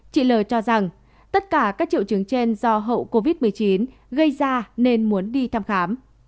chị l cho rằng tất cả các triệu chứng trên do hậu covid một mươi chín gây ra nên muốn đi thăm khám